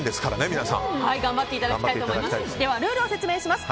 頑張っていただきたいと思います。